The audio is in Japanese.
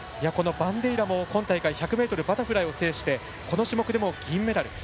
バンデイラも今大会１００ｍバタフライを制してこの種目でも銀メダル。